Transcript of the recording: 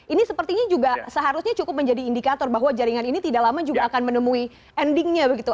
ini sepertinya juga seharusnya cukup menjadi indikator bahwa jaringan ini tidak lama juga akan menemui endingnya begitu